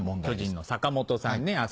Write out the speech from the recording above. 巨人の坂本さんね。